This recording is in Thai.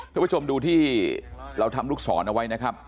ทุกผู้ชมดูที่เราทำลูกศรเอาไว้นะครับ